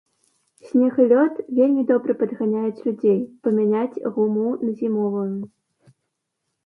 Снег і лёд вельмі добра падганяюць людзей, памяняць гуму на зімовую.